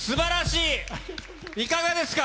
いかがですか？